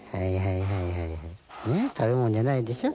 食べ物じゃないでしょ。